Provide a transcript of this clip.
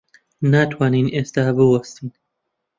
ناتوانین ئێستا بوەستین.